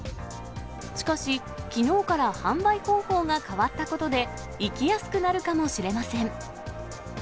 しかし、きのうから販売方法が変わったことで、行きやすくなるかもしれません。